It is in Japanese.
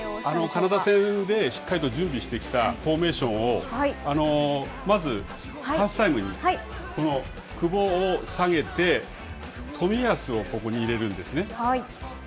カナダ戦でしっかりと準備してきたフォーメーションを、まずハーフタイムに、この久保を下げて、冨安をここに入れるんですね。